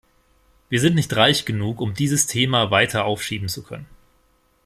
Wir sind nicht reich genug, um dieses Thema weiter aufschieben zu können.